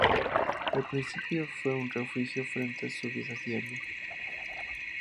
Al principio fue un refugio frente a su vida diaria.